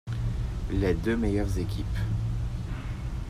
Les deux meilleures équipes.